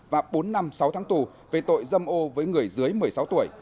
và bốn năm sáu tháng tù về tội dâm ô với người dưới một mươi sáu tuổi